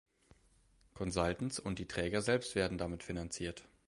Consultants und die Träger selbst werden damit finanziert.